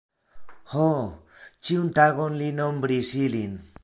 Ho, ĉiun tagon li nombris ilin.